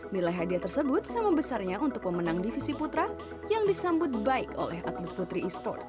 nilai hadiah tersebut sama besarnya untuk pemenang divisi putra yang disambut baik oleh atlet putri e sports